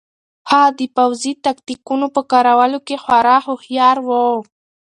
هغه د پوځي تکتیکونو په کارولو کې خورا هوښیار و.